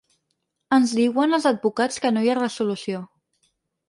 Ens diuen els advocats que no hi ha resolució.